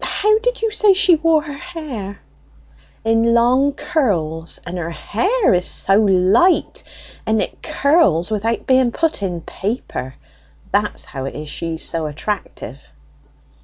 How did you say she wore her hair?" "In long curls, and her hair is light, and it curls without being put in paper: that's how it is she's so attractive."